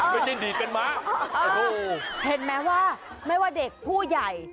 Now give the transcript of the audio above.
มันยิ่งดีดเป็นม้าโอ้โหเห็นไหมว่าไม่ว่าเด็กผู้ใหญ่